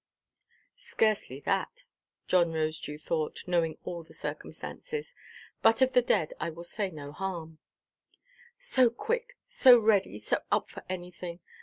"Scarcely that," John Rosedew thought, knowing all the circumstances; "but of the dead I will say no harm." "So quick, so ready, so up for anything!